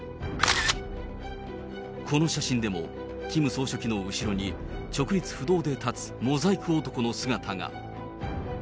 この写真でも、キム総書記の後ろに、直立不動で立つモザイク男の姿が。